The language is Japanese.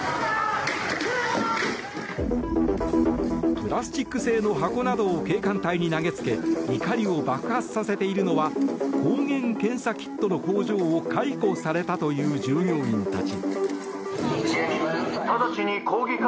プラスチック製の箱などを警官隊に投げつけ怒りを爆発させているのは抗原検査キットの工場を解雇されたという従業員たち。